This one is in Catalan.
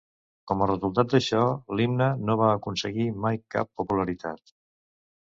Com a resultat d'això, l'himne no va aconseguir mai cap popularitat.